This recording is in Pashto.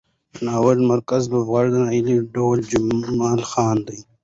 د ناول مرکزي لوبغاړي نايله، ډېوه، جمال خان،